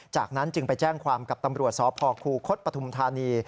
จากนั้นจึงไปแจ้งความกับตำรวจสพคูคศปฐุมธานี